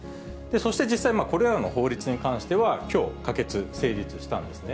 そして実際、これらの法律に関してはきょう、可決・成立したんですね。